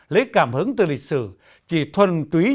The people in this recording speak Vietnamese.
lấy cảm hứng từ lịch sử